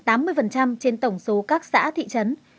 trên tổng số các xã thị trấn